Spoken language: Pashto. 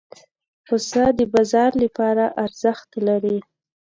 پسه د بازار لپاره ارزښت لري.